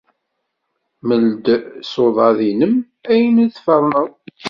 Mel-d s uḍad-nnem ayen ay tferneḍ.